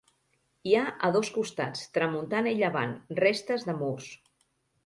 Hi ha a dos costats, tramuntana i llevant, restes de murs.